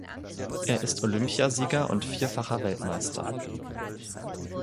Er ist Olympiasieger und vierfacher Weltmeister.